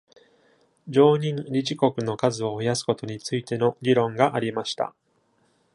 常任理事国の数を増やすことについての議論がありました。